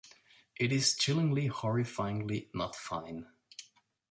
It is chillingly, horrifyingly not fine.